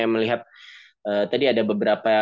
melihat tadi ada beberapa